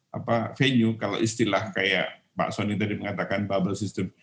apa venue kalau istilah kayak pak soni tadi mengatakan bubble system